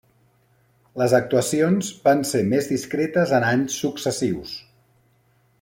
Les actuacions van ser més discretes en anys successius.